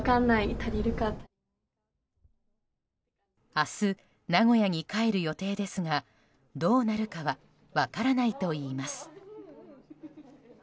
明日、名古屋に帰る予定ですがどうなるかは分からないといいます。